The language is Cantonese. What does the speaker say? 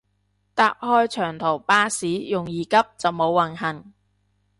搭開長途巴士容易急就冇運行